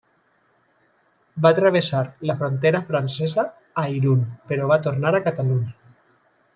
Va travessar la frontera francesa a Irun però va tornar a Catalunya.